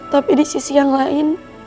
tapi di sisi yang lain